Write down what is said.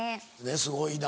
すごいな。